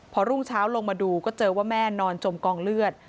พอรุ่งเช้าลงมาดูก็เจอว่าแม่นอนจมกองเลือด